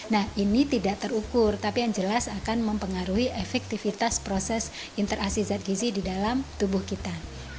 nah ini tidak terukur tapi yang jelas akan mempengaruhi efektivitas proses interaksi zat gizi di dalam tubuh kita